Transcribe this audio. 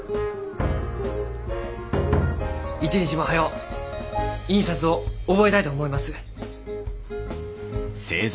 一日も早う印刷を覚えたいと思います。